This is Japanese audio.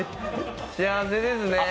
幸せですね。